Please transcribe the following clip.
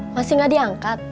masih gak diangkat